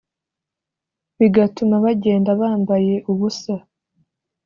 Bigatuma bagenda bambaye ubusa